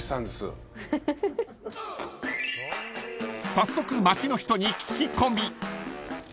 ［早速街の人に聞き込み］